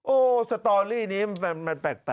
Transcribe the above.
โอ้โหสตอรี่นี้มันแปลก